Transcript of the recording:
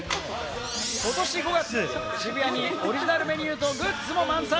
ことし５月、渋谷にオリジナルメニューとグッズも満載。